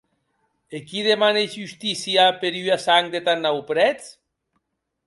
E qui demane justícia per ua sang de tan naut prètz?